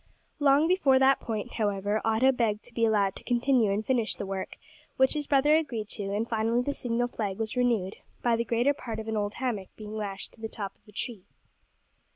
Long before that point, however, Otto begged to be allowed to continue and finish the work, which his brother agreed to, and, finally, the signal flag was renewed, by the greater part of an old hammock being lashed to the top of the tree.